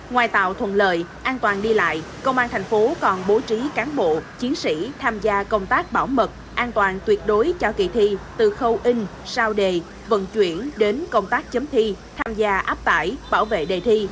ngoài tạo thuận lợi an toàn đi lại công an thành phố còn bố trí cán bộ chiến sĩ tham gia công tác bảo mật an toàn tuyệt đối cho kỳ thi từ khâu in sao đề vận chuyển đến công tác chấm thi tham gia áp tải bảo vệ đề thi